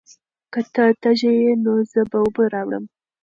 که ته تږی یې، نو زه به اوبه راوړم.